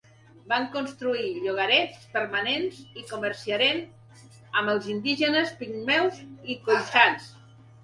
Van construir llogarets permanents, i comerciaren amb els indígenes pigmeus i khoisans.